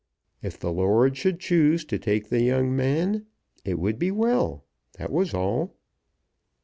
If the Lord should choose to take the young man it would be well; that was all.